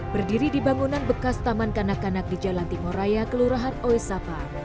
berdiri di bangunan bekas taman kanak kanak di jalan timuraya kelurahan oesapa